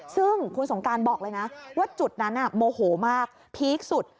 ซึ่งคุณสงการบอกเลยนะว่าจุดนั้นโมโหมากพีคสุด